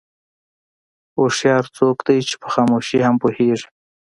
هوښیار څوک دی چې په خاموشۍ کې هم پوهېږي.